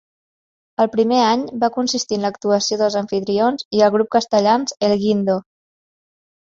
El primer any va consistir en l'actuació dels amfitrions i el grup castellans El Guindo.